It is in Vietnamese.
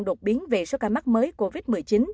đột biến về số ca mắc mới covid một mươi chín